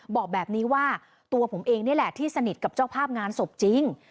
บอกแบบนี้ว่าตัวผมเองนี่แหละที่สนิทกับเจ้าภาพงานศพจริง